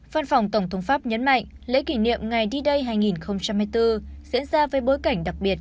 văn phòng tổng thống pháp nhấn mạnh lễ kỷ niệm ngày di day hai nghìn hai mươi bốn diễn ra với bối cảnh đặc biệt